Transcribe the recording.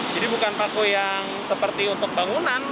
jadi bukan paku yang seperti untuk bangunan